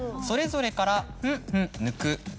「それぞれから抜く」。